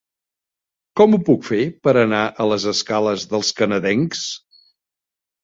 Com ho puc fer per anar a les escales dels Canadencs?